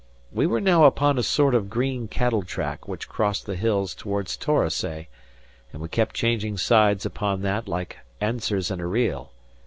We were now upon a sort of green cattle track which crossed the hills towards Torosay, and we kept changing sides upon that like dancers in a reel.